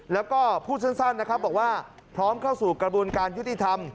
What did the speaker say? แล้วก็พูดสั้นนะครับบอกว่าพร้อมเข้าสู่กระบวนการยุติธรรม